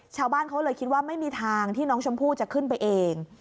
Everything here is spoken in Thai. ชาวบ้านเขาเลยคิดว่าไม่มีทางที่น้องชมพู่จะขึ้นไปเอง